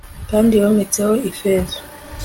kandi yometseho ifeza